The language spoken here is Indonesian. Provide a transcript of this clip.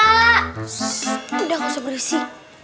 shhh tidak usah berisi